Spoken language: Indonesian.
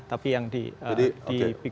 tapi yang di pickle picklekan pos